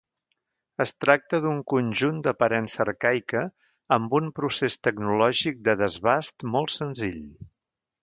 Es tracta d'un conjunt d'aparença arcaica, amb un procés tecnològic de desbast molt senzill.